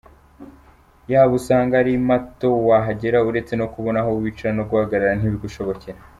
yabo usanga ari mato wahagera uretse no kubona aho wicara no guhagarara ntibigushobokere.